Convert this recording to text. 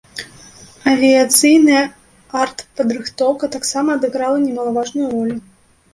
Авіяцыйная артпадрыхтоўка таксама адыграла немалаважную ролю.